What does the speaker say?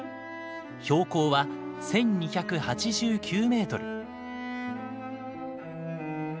標高は１，２８９メートル。